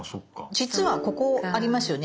実はここありますよね。